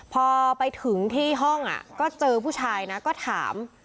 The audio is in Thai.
พอไปถึงที่ห้องก็เจอผู้ชายนะก็ถาม